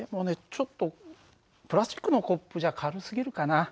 ちょっとプラスチックのコップじゃ軽すぎるかな。